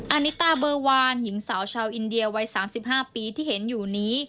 นิตาเบอร์วานหญิงสาวชาวอินเดียวัย๓๕ปีที่เห็นอยู่นี้